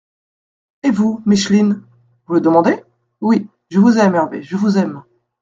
—«Et vous, Micheline ? —Vous le demandez ?… Oui, je vous aime, Hervé, je vous aime.